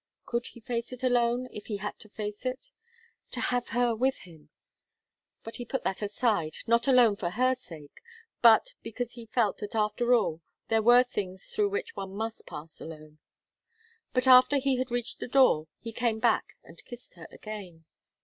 Could he face it alone, if he had to face it? To have her with him! But he put that aside; not alone for her sake, but because he felt that after all there were things through which one must pass alone. But after he had reached the door, he came back and kissed her again.